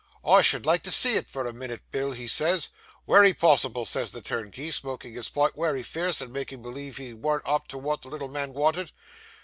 "I should like to see it for a minit, Bill," he says. "Wery probable," says the turnkey, smoking his pipe wery fierce, and making believe he warn't up to wot the little man wanted.